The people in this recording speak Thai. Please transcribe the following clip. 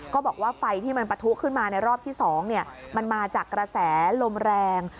บอกว่าไฟที่มันปะทุขึ้นมาในรอบที่๒มันมาจากกระแสลมแรง